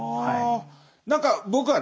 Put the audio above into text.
何か僕はね